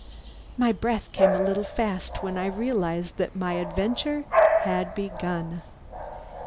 My breath came a little fast when I realized that my adventure had begun!